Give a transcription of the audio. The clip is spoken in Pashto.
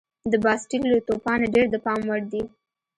د باسټیل له توپانه ډېر د پام وړ دي.